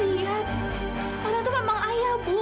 lihat orang itu memang ayah bu